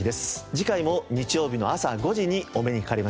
次回も日曜日の朝５時にお目にかかりましょう。